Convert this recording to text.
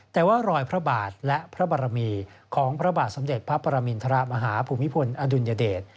แต่ว่ารอยพระบาทและพระบรมีของพระบาทสมเด็จพระปรมินทรมาฮาภูมิพลอดุลยเดช